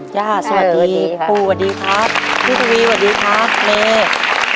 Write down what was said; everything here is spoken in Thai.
ย่าสวัสดีปู่สวัสดีครับพี่ทวีสวัสดีครับเมฆ